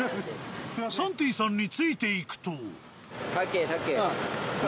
サンティさんについていくと。